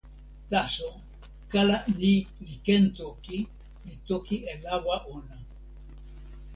taso, kala ni li ken toki, li toki e lawa ona.